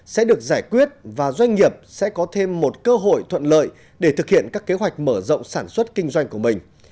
sẽ được giải quyết và doanh nghiệp sẽ có thêm một cơ hội thuận lợi để thực hiện các kế hoạch mở rộng sản xuất kinh doanh của mình